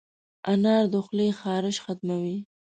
انار د خولې خارش ختموي.